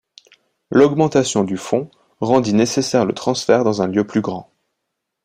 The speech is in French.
L'augmentation du fonds rendit nécessaire le transfert dans un lieu plus grand.